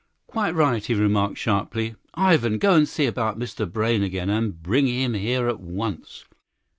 "Quite right," he remarked sharply. "Ivan, go and see about Mr. Brayne again, and bring him here at once."